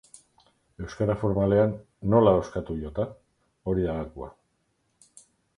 Euskara formalean, nola ahoskatu "jota"? Hori da gakoa!